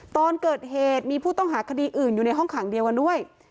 ตอนเกิดเหตุมีผู้ต้องหาคดีอื่นอยู่ในห้องขังเดียวกันด้วย